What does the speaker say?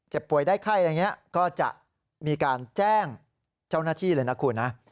ป่วยได้ไข้อะไรอย่างนี้ก็จะมีการแจ้งเจ้าหน้าที่เลยนะคุณนะ